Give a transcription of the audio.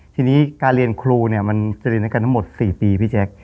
ทีนี้การเรียนครูเนี่ยมันจะเรียนด้วยกันทั้งหมด๔ปีพี่แจ๊ค